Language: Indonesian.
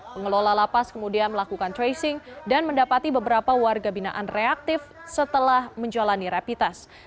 pengelola lapas kemudian melakukan tracing dan mendapati beberapa warga binaan reaktif setelah menjalani rapid test